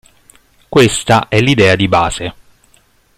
Questa è l'idea di base.